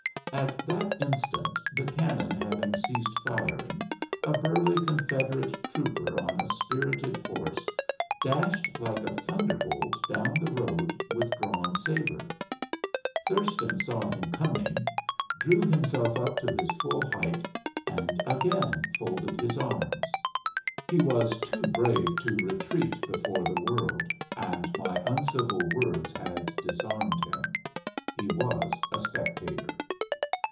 At that instant, the cannon having ceased firing, a burly Confederate trooper on a spirited horse dashed like a thunderbolt down the road with drawn saber. Thurston saw him coming, drew himself up to his full height, and again folded his arms. He was too brave to retreat before the word, and my uncivil words had disarmed him. He was a spectator.